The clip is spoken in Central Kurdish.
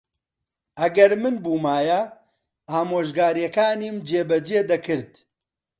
ئەگەر من بوومایە، ئامۆژگارییەکانیم جێبەجێ دەکرد.